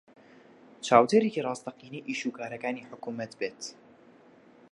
چاودێرێکی ڕاستەقینەی ئیشوکارەکانی حکوومەت بێت